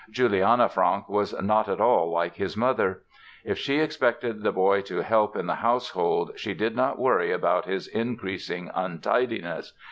Juliana Franck was not at all like his mother. If she expected the boy to help in the household she did not worry about his increasing untidiness.